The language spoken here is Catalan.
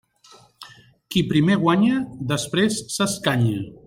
Qui primer guanya després s'escanya.